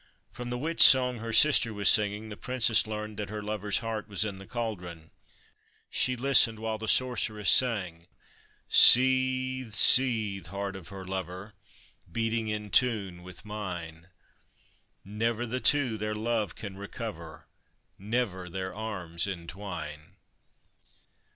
From the witch song her sister was singing, the Princess learned that her lover's heart was in the cauldron. She listened while the Sorceress sang :' Seethe ! Seethe ! Heart of her lover, Beating in tune with mine. Never the two their love can recover, Never their arms entwine.